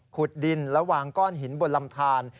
ขุดดินและวางก้อนหินบนลำทาน